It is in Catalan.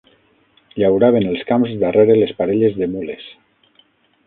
Llauraven els camps darrere les parelles de mules